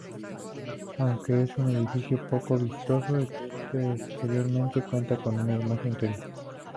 Aunque es un edificio poco vistoso exteriormente, cuenta con un hermoso interior.